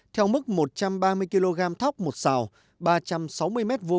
theo mức một trăm ba mươi kg thóc một xào